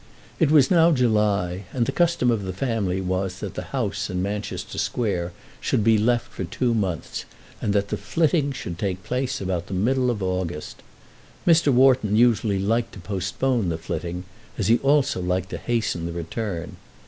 It was now July, and the custom of the family was that the house in Manchester Square should be left for two months, and that the flitting should take place about the middle of August. Mr. Wharton usually liked to postpone the flitting, as he also liked to hasten the return.